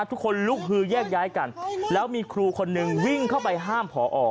ทุกคนลุกฮือแยกย้ายกันแล้วมีครูคนนึงวิ่งเข้าไปห้ามพอ